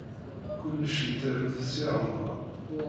Kullec yettaru-t Si Remḍan.